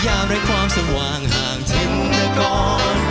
ยามได้ความสว่างห่างทิ้งด้วยกร